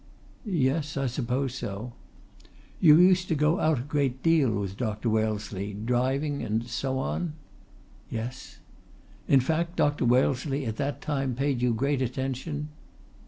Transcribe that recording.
"Yes, I suppose so." "You used to go out a great deal with Dr. Wellesley driving, and so on?" "Yes." "In fact, Dr. Wellesley at that time paid you great attention?"